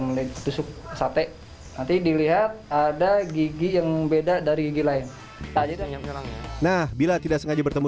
melihat tusuk sate nanti dilihat ada gigi yang beda dari gigi lain nah bila tidak sengaja bertemu